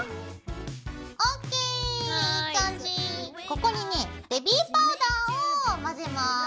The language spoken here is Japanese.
ここにねベビーパウダーを混ぜます。